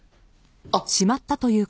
あっ。